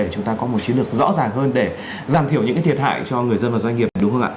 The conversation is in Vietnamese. để chúng ta có một chiến lược rõ ràng hơn để giảm thiểu những thiệt hại cho người dân và doanh nghiệp đúng không ạ